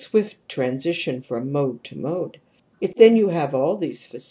swift transition from mode to mode. If then you have 511 CAP. XXI CAP.